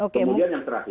kemudian yang terakhir